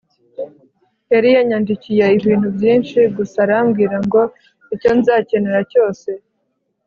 Yari yanyandikiye ibintu byinshi gusa arambwira ngo icyo nzakenera cyose